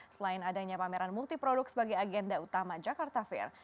selain adanya pameran multiproduk sebagai agenda utama jakarta fair